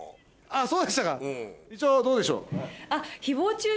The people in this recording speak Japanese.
そうでしたか一応どうでしょう？